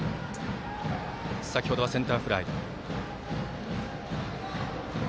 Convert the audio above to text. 先ほどはセンターフライ。